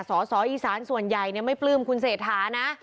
สอสออีสานส่วนใหญ่ไม่ปลื้มคุณเศรษฐานะ